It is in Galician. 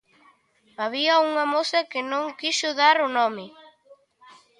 Había unha moza que non quixo dar o nome.